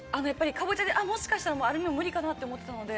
カボチャでもしかしたら無理かなって思ってたので。